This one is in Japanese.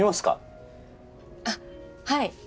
あっはい。